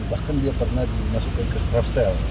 bahkan dia pernah dimasukkan ke strafsel